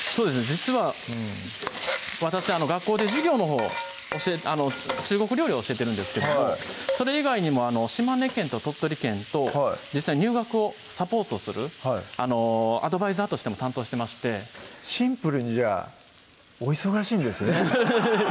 実は私あの学校で授業のほう中国料理を教えてるんですけどもそれ以外にも島根県と鳥取県と入学をサポートするアドバイザーとしても担当してましてシンプルにじゃあお忙しいんですね